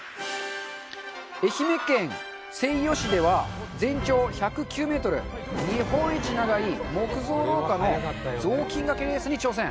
愛媛県西予市では全長１０９ｍ日本一長い木造廊下の雑巾がけレースに挑戦